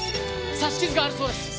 刺し傷があるそうです！